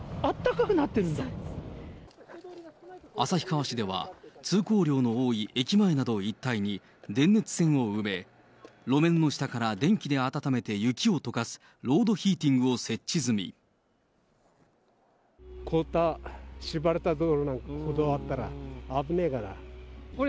旭川市では通行量の多い駅前など一帯に、電熱線を埋め、路面の下から電気で温めて雪をとかすロードヒーティングを設置済凍った、しばれた道路や歩道があったらあぶねえから。